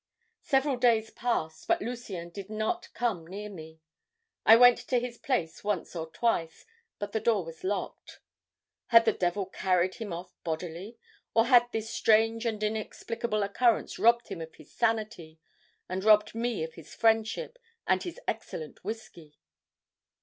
"Several days passed, but Lucien did not come near me. I went to his place once or twice, but the door was locked. Had the devil carried him off bodily? Or had this strange and inexplicable occurrence robbed him of his sanity, and robbed me of his friendship and his excellent whisky?